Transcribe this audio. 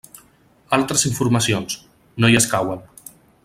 Altres informacions: no hi escauen.